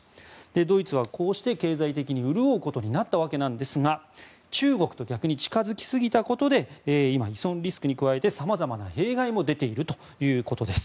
ドイツはこうして経済的に潤うことになったわけですが中国と逆に近付きすぎたことで今、依存リスクに加えて様々な弊害も出ているということです。